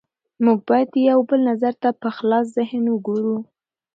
موږ باید د یو بل نظر ته په خلاص ذهن وګورو